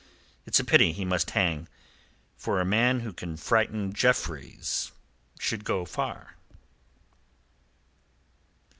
It's a pity he must hang. For a man who can frighten Jeffreys should go far."